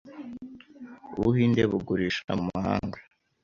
Ubuhinde bugurisha mu mahanga